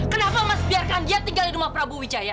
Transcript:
kenapa mas biarkan dia tinggal di rumah prabowo wijaya